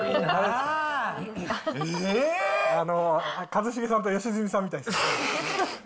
一茂さんと良純さんみたいです。